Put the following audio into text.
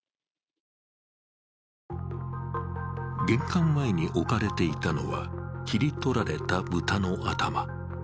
玄関前に置かれていたのは切り取られた豚の頭。